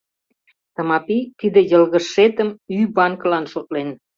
Тымапи тиде йылгыжшетым ӱй банкылан шотлен.